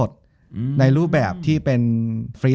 จบการโรงแรมจบการโรงแรม